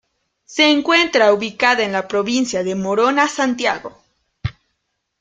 Se encuentra ubicada en la provincia de Morona Santiago.